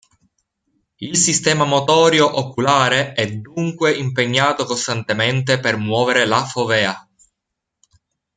Il sistema motorio oculare è dunque impegnato costantemente per muovere la fovea.